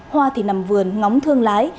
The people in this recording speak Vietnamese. hoa thì nằm vườn ngóng thương lái